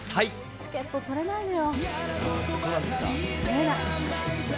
チケット取れないのよ。